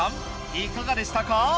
いかがでしたか？